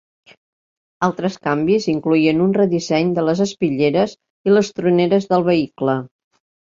Altres canvis incloïen un redisseny de les espitlleres i les troneres del vehicle.